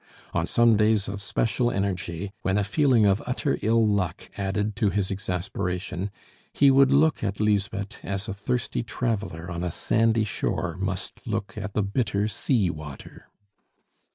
On some days of special energy, when a feeling of utter ill luck added to his exasperation, he would look at Lisbeth as a thirsty traveler on a sandy shore must look at the bitter sea water.